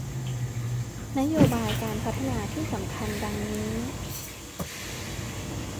นโยบายการพัฒนาที่สำคัญดังนี้